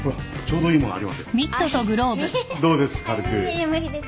どうです？